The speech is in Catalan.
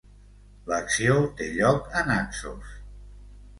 L'acció té lloc a Naxos.